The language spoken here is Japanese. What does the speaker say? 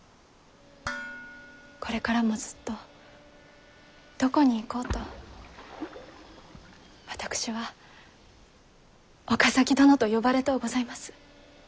これからもずっとどこに行こうと私は岡崎殿と呼ばれとうございます。